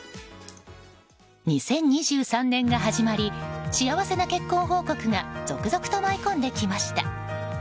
２０２３年が始まり幸せな結婚報告が続々と舞い込んできました。